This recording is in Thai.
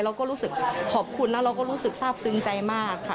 เราก็รู้สึกขอบคุณแล้วเราก็รู้สึกทราบซึ้งใจมากค่ะ